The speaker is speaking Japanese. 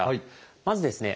まずですね